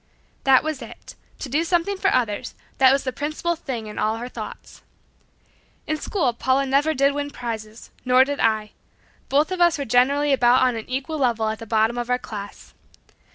That was it to do something for others, that was the principal thing in all her thoughts. In school Paula never did win prizes nor did I. Both of us were generally about on an equal level at the bottom of our class.